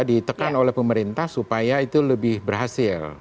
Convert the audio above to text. ditekan oleh pemerintah supaya itu lebih berhasil